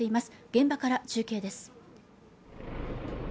現場から中継です